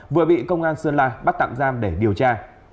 vừa bị công an sơn la bắt tạm giam để điều tra